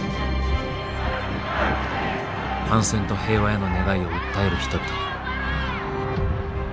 反戦と平和への願いを訴える人々。